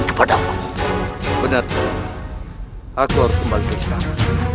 benar aku harus kembali ke istana